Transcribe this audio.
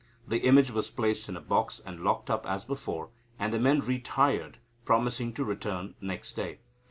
The image was placed in a box, and locked up as before, and the men retired, promising to return next day.